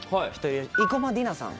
生駒里奈さん。